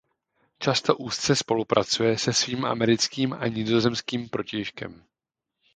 Často úzce spolupracuje se svým americkým a nizozemským protějškem.